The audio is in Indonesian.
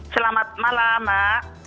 selamat malam mak